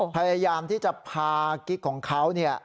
พยายามที่จะพากิ๊กของเขาเนี่ย